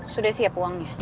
sudah siap uangnya